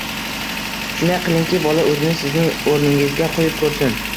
Shunday qilingki, bola o‘zini sizning o‘rningizga qo‘yib ko‘rsin.